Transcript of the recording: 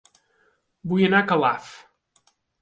Vull anar a Calaf